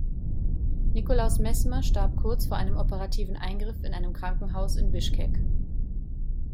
Nikolaus Messmer starb kurz vor einem operativen Eingriff in einem Krankenhaus in Bischkek.